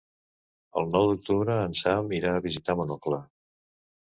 El nou d'octubre en Sam irà a visitar mon oncle.